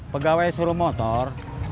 pegawai suruh motor